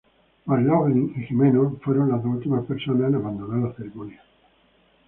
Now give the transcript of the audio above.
McLoughlin y Jimeno fueron las dos últimas personas en abandonar la ceremonia.